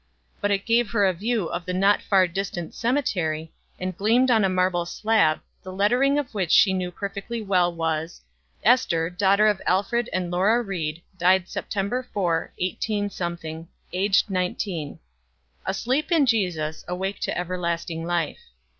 But it gave her a view of the not far distant cemetery, and gleamed on a marble slab, the lettering of which she knew perfectly well was "Ester, daughter of Alfred and Laura Ried, died Sept. 4, 18 , aged 19. Asleep in Jesus Awake to everlasting life."